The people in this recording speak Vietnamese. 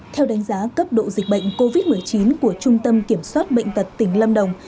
theo đánh giá cấp độ dịch bệnh covid một mươi chín của trung tâm kiểm soát bệnh tật tỉnh lâm đồng